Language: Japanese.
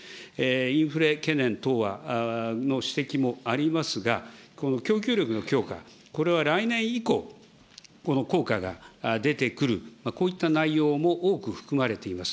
インフレ懸念等の指摘もありますが、この供給力の強化、これは来年以降、この効果が出てくる、こういった内容も多く含まれています。